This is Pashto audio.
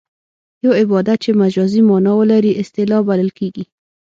یو عبارت چې مجازي مانا ولري اصطلاح بلل کیږي